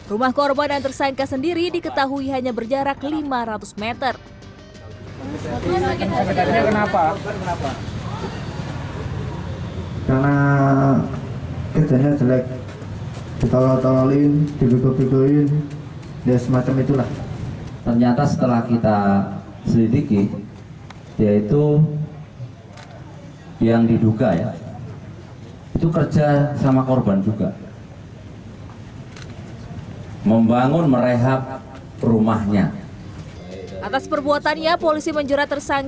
rumah korban yang tersangka sendiri diketahui hanya berjarak lima ratus meter